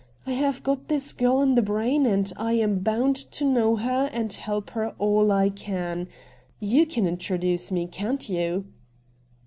I have got this girl on the brain, and I am bound to know her and to help her all I can. You can introduce me, can't you